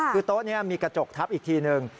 คือโต๊ะนี้มีกระจกทับอีกทีหนึ่ง